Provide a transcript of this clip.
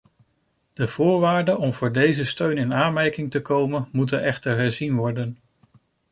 De voorwaarden om voor deze steun in aanmerking te komen moeten echter herzien worden.